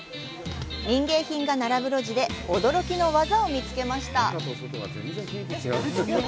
民芸品が並ぶ路地で驚きの技を見つけました。